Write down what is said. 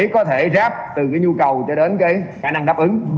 có thể ráp từ cái nhu cầu cho đến cái khả năng đáp ứng